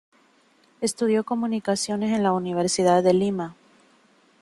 Estudió Comunicaciones en la Universidad de Lima.